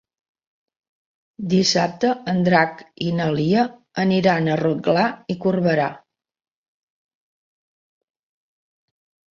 Dissabte en Drac i na Lia aniran a Rotglà i Corberà.